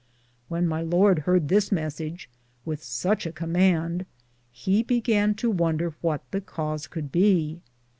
When my lord hard this messidge, with suche a comande, he begane to wonder what the Cause should be.